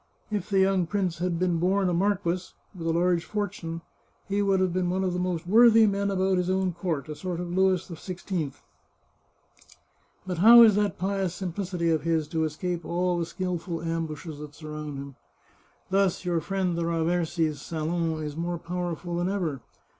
If the young prince had been born a marquis, with a large fortune, he would have been one of the most worthy men about his own court — a. sort of Louis XVI. But how is that pious simplicity of his to escape all the skilful ambushes that surround him ? Thus your friend the Raversi's salon is more powerful than ever.